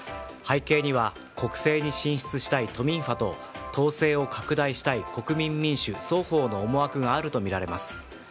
背景には国政に進出したい都民ファと党勢を拡大したい国民民主双方の思惑があるとみられます。